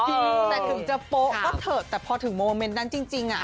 แต่ถึงจะโป๊ะก็เถอะแต่พอถึงโมเมนต์นั้นจริง